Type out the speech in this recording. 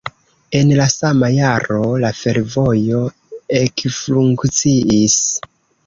En la sama jaro la fervojo ekfunkciis.